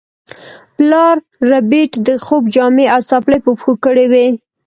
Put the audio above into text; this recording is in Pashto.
پلار ربیټ د خوب جامې او څپلۍ په پښو کړې وې